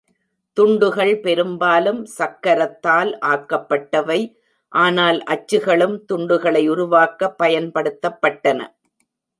துண்டுகள் பெரும்பாலும் சக்கரத்தால் ஆக்கப்பட்டவை, ஆனால் அச்சுகளும் துண்டுகளை உருவாக்க பயன்படுத்தப்பட்டன.